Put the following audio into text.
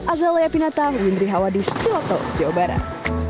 azal layak binatang windri hawadis ciloto jawa barat